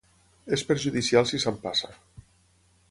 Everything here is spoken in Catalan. És perjudicial si s'empassa.